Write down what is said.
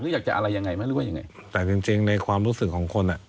อยากจะอะไรยังไงไหมหรือว่ายังไงแต่จริงจริงในความรู้สึกของคนอ่ะ